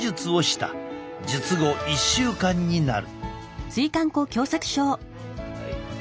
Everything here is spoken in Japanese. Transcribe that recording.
術後１週間になる。